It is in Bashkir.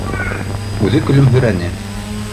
Үҙе көлөмһөрәне: